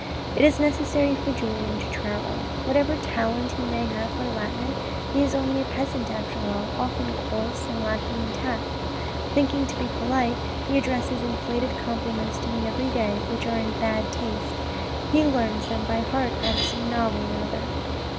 "It is necessary for Julien to travel. Whatever talent he may have for Latin, he is only a peasant after all, often coarse and lacking in tact. Thinking to be polite, he addresses inflated compliments to me every day, which are in bad taste. He learns them by heart out of some novel or other."